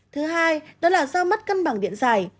thứ hai đó là do mất cân bằng điện dài